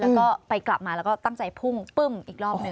แล้วก็ไปกลับมาแล้วก็ตั้งใจพุ่งปึ้มอีกรอบหนึ่ง